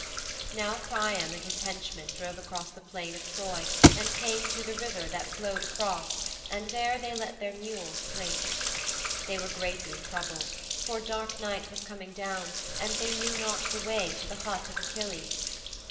'Now Priam and his henchman drove across the plain of Troy and came to the river that flowed across and there they let their mules drink. They were greatly troubled, for dark night was coming down and they knew not the way to the hut of Achilles.